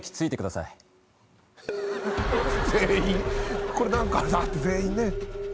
全員「これ何かあるな」って全員ね。